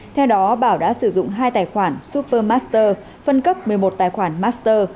theo đó bảo đã sử dụng hai tài khoản supermaster phân cấp một mươi một tài khoản master